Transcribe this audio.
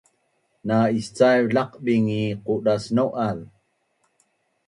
Na iscaiv laqbing ngi qudas nau’az